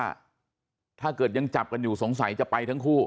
ถ้าเกิดยังจับกันอยู่สงสัยจะไปทั้งคู่